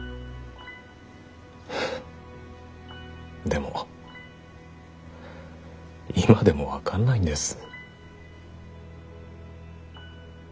でも今でも分かんないんです。